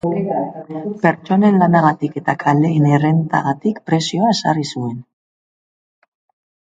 Pertsonen lanagatik eta kaleen errentagatik prezioa ezarri zuen.